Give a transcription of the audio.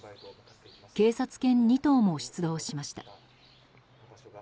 警察犬２頭も出動しました。